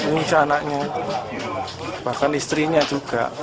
ini anaknya bahkan istrinya juga